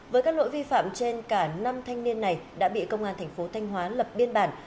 với các lỗi vi phạm trên cả năm thanh niên này đã bị công an thành phố thanh hóa lập biên bản